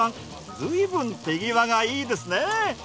ずいぶん手際がいいですね。